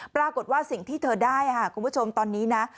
ปรากฏว่าสิ่งที่เธอได้ค่ะคุณผู้ชมตอนนี้นะ